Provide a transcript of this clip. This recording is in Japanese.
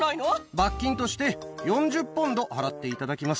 罰金として４０ポンド払っていただきます。